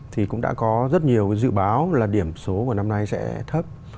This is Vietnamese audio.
thì cũng đã có rất nhiều cái dự báo là điểm số của năm nay sẽ thấp